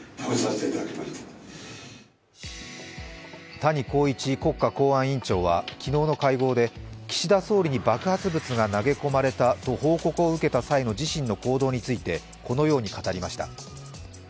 谷公一国家公安委員長は昨日の会合で岸田総理に爆発物が投げ込まれたと報告を受けた自身の行動についてこのように語りました。